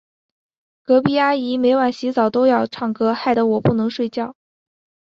隔壁阿姨每晚洗澡都要唱歌，害得我不能睡觉。